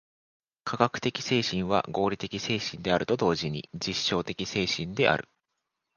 科学的精神は合理的精神であると同時に実証的精神である。